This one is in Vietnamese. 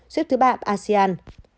xếp thứ ba asean